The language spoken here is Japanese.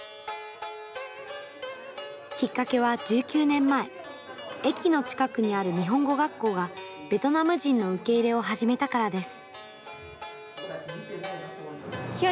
きっかけは１９年前駅の近くにある日本語学校がベトナム人の受け入れを始めたからです。